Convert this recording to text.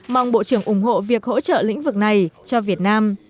mong bộ trưởng ủng hộ việc hỗ trợ lĩnh vực này cho việt nam